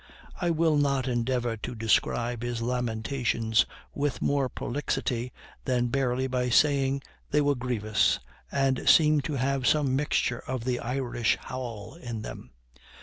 I will not endeavor to describe his lamentations with more prolixity than barely by saying they were grievous, and seemed to have some mixture of the Irish howl in them.